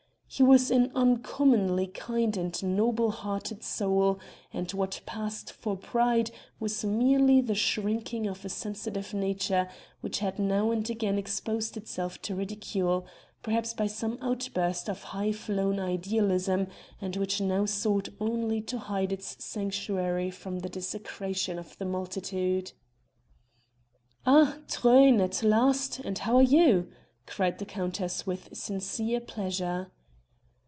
He was an uncommonly kind and noble hearted soul, and what passed for pride was merely the shrinking of a sensitive nature which had now and again exposed itself to ridicule, perhaps by some outburst of high flown idealism, and which now sought only to hide its sanctuary from the desecration of the multitude. "Ah! Truyn, at last, and how are you?" cried the countess with sincere pleasure.